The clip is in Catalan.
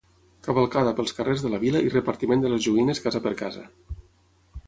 Cavalcada pels carrers de la vila i repartiment de les joguines casa per casa.